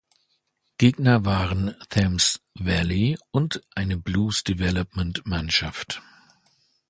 Gegner waren Thames Valley und eine Blues Development-Mannschaft.